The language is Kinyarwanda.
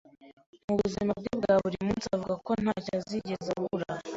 mu buzima bwe bwa buri munsi, avuga ko ntacyoa yigeze abura